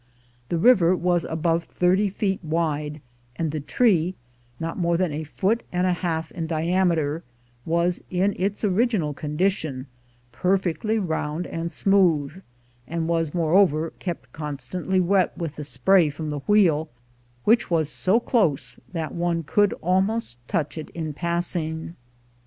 The river was above thirt)* feet wide, and the tree, not more than a foot and a half in diameter, was in its original condition, perfectly round and smooth, and was, moreover, kept constantly wet with the spray from the wheel, which was so close that one could almost touch it in passing.